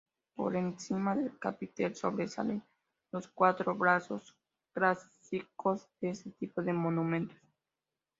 Por encima del capitel sobresalen los cuatro brazos clásicos de este tipo de monumentos.